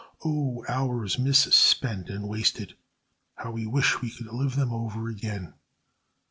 Oh, hours misspent and wasted! How we wish we could live them over again!